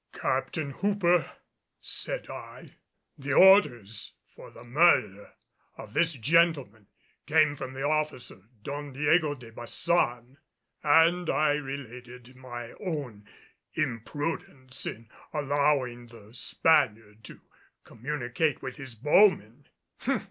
"Captain Hooper," said I, "the orders for the murder of this gentleman came from the officer, Don Diego de Baçan." And I related my own imprudence in allowing the Spaniard to communicate with his bowmen.